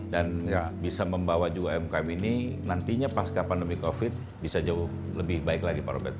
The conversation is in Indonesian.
dan bisa membawa juga umkm ini nantinya pasca pandemi covid bisa jauh lebih baik lagi pak robet